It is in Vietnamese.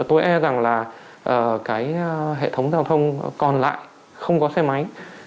tôi e rằng là cái hệ thống giao thông còn lại không có xe máy